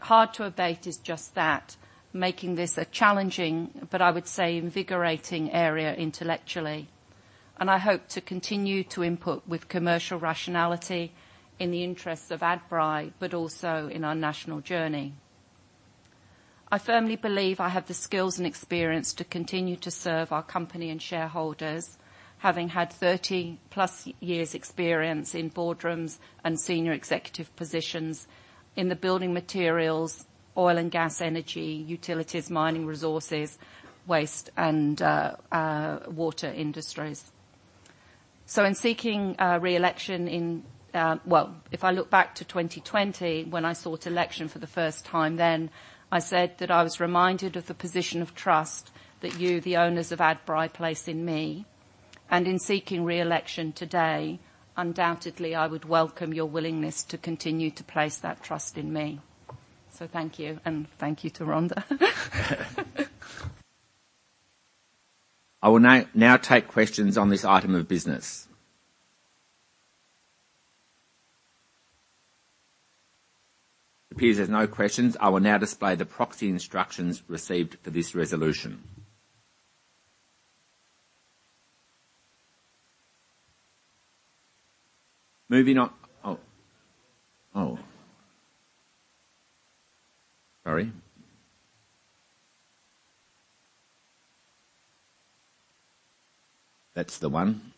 Hard-to-abate is just that, making this a challenging, but I would say, invigorating area intellectually. I hope to continue to input with commercial rationality in the interests of Adbri, but also in our national journey. I firmly believe I have the skills and experience to continue to serve our company and shareholders, having had 30-plus years experience in boardrooms and senior executive positions in the building materials, oil and gas, energy, utilities, mining resources, waste and water industries. In seeking reelection in, Well, if I look back to 2020, when I sought election for the first time then, I said that I was reminded of the position of trust that you, the owners of Adbri, place in me. In seeking reelection today, undoubtedly, I would welcome your willingness to continue to place that trust in me. Thank you, and thank you to Rhonda. I will now take questions on this item of business. It appears there's no questions. I will now display the proxy instructions received for this resolution. Moving on... Oh. Oh. Sorry. That's the one.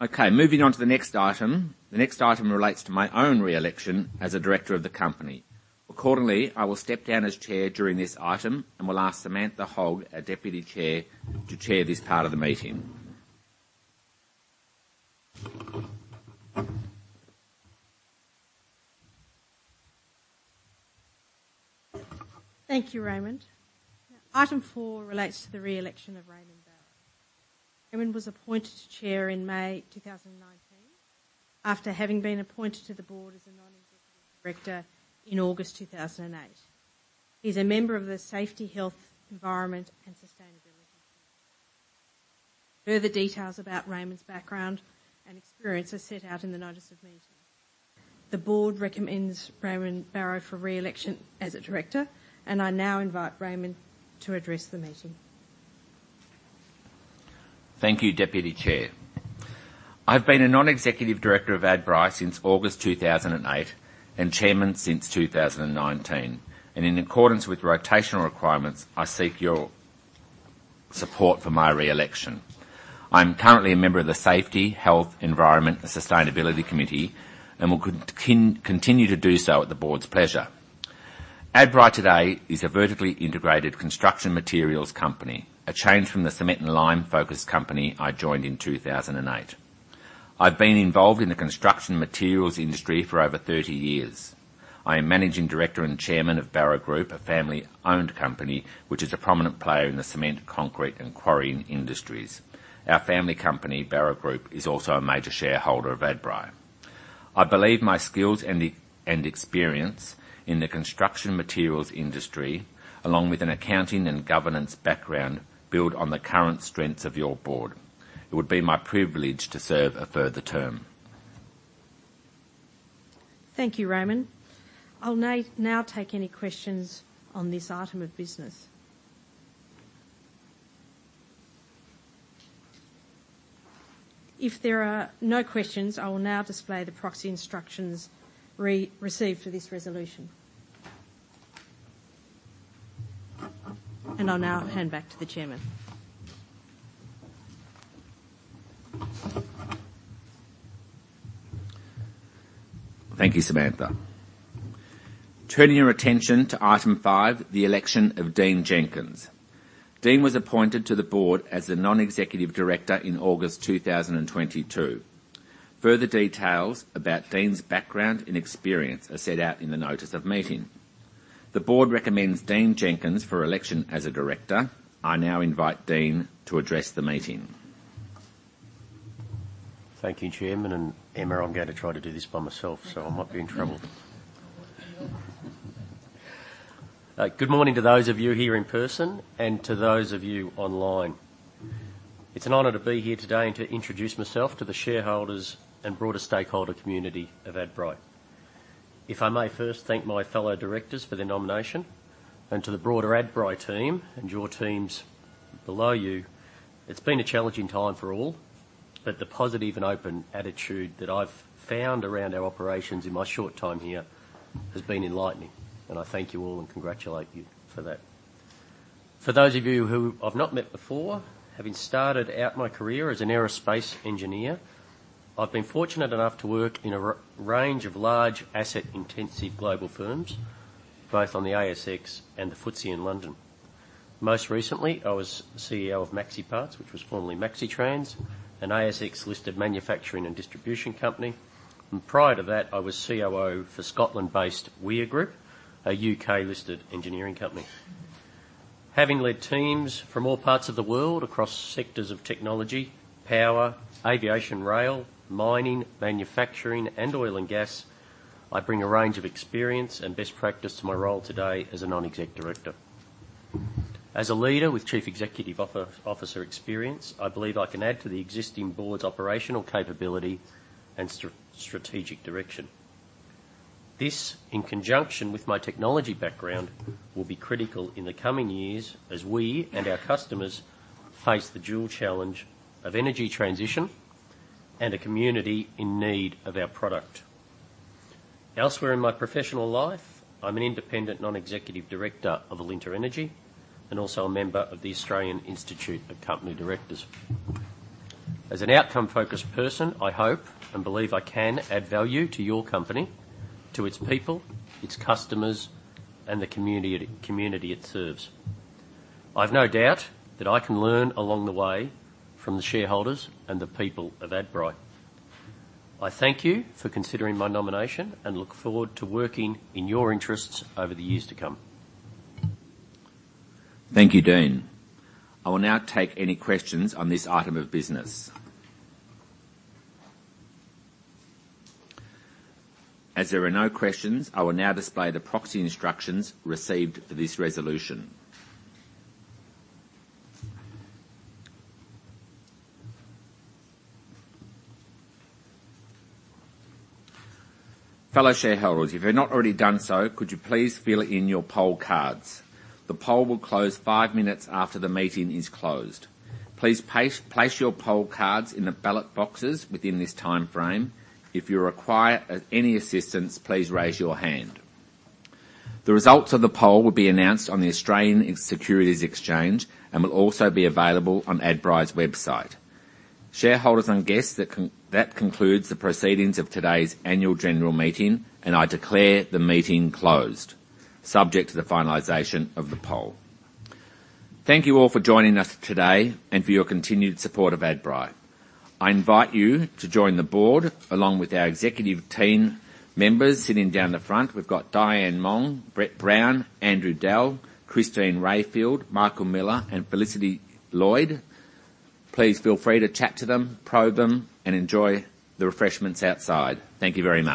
Okay, moving on to the next item. The next item relates to my own reelection as a director of the company. Accordingly, I will step down as chair during this item and will ask Samantha Hogg, our Deputy Chair, to chair this part of the meeting. Thank you, Raymond. Item four relates to the reelection of Raymond Barro. Raymond was appointed chair in May 2019 after having been appointed to the board as a non-executive director in August 2008. He's a member of the Safety, Health, Environment and Sustainability Committee. Further details about Raymond's background and experience are set out in the notice of meeting. The board recommends Raymond Barro for reelection as a director. I now invite Raymond to address the meeting. Thank you, Deputy Chair. I've been a non-executive director of Adbri since August 2008 and Chairman since 2019. In accordance with rotational requirements, I seek your support for my reelection. I'm currently a member of the Safety, Health, Environment and Sustainability Committee and will continue to do so at the board's pleasure. Adbri today is a vertically integrated construction materials company, a change from the cement and lime-focused company I joined in 2008. I've been involved in the construction materials industry for over 30 years. I am Managing Director and Chairman of Barro Group, a family-owned company, which is a prominent player in the cement, concrete, and quarrying industries. Our family company, Barro Group, is also a major shareholder of Adbri. I believe my skills and experience in the construction materials industry, along with an accounting and governance background, build on the current strengths of your board. It would be my privilege to serve a further term. Thank you, Raymond. I'll now take any questions on this item of business. If there are no questions, I will now display the proxy instructions re-received for this resolution. I'll now hand back to the Chairman. Thank you, Samantha. Turning your attention to item five, the election of Dean Jenkins. Dean was appointed to the board as the non-executive director in August 2022. Further details about Dean's background and experience are set out in the notice of meeting. The board recommends Dean Jenkins for election as a director. I now invite Dean to address the meeting. Thank you, Chairman. Emma, I'm gonna try to do this by myself, I might be in trouble. Good morning to those of you here in person and to those of you online. It's an honor to be here today and to introduce myself to the shareholders and broader stakeholder community of Adbri. If I may first thank my fellow directors for their nomination and to the broader Adbri team and your teams below you, it's been a challenging time for all, the positive and open attitude that I've found around our operations in my short time here has been enlightening, I thank you all and congratulate you for that. For those of you who I've not met before, having started out my career as an aerospace engineer, I've been fortunate enough to work in a range of large asset-intensive global firms, both on the ASX and the FTSE in London. Most recently, I was CEO of MaxiPARTS, which was formerly MaxiTRANS, an ASX-listed manufacturing and distribution company. Prior to that, I was COO for Scotland-based The Weir Group PLC, a UK-listed engineering company. Having led teams from all parts of the world across sectors of technology, power, aviation, rail, mining, manufacturing, and oil and gas, I bring a range of experience and best practice to my role today as a non-exec director. As a leader with chief executive officer experience, I believe I can add to the existing board's operational capability and strategic direction. This, in conjunction with my technology background, will be critical in the coming years as we and our customers face the dual challenge of energy transition and a community in need of our product. Elsewhere in my professional life, I'm an independent non-executive director of Alinta Energy and also a member of the Australian Institute of Company Directors. As an outcome-focused person, I hope and believe I can add value to your company, to its people, its customers, and the community it serves. I've no doubt that I can learn along the way from the shareholders and the people of Adbri. I thank you for considering my nomination and look forward to working in your interests over the years to come. Thank you, Dean. I will now take any questions on this item of business. As there are no questions, I will now display the proxy instructions received for this resolution. Fellow shareholders, if you've not already done so, could you please fill in your poll cards. The poll will close 5 minutes after the meeting is closed. Please place your poll cards in the ballot boxes within this timeframe. If you require any assistance, please raise your hand. The results of the poll will be announced on the Australian Securities Exchange and will also be available on Adbri's website. Shareholders and guests, that concludes the proceedings of today's annual general meeting, and I declare the meeting closed subject to the finalization of the poll. Thank you all for joining us today and for your continued support of Adbri. I invite you to join the board along with our executive team members sitting down the front. We've got Dianne Mong, Brett Brown, Andrew Dell, Christine Rietveld, Michael Miller, and Felicity Lloyd. Please feel free to chat to them, probe them, and enjoy the refreshments outside. Thank you very much